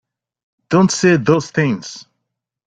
Don't say those things!